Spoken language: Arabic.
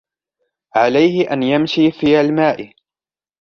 عليه أن يمشي في الماء.